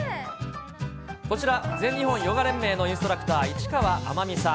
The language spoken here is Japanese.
こちら、全日本ヨガ連盟のインストラクター、市川あまみさん。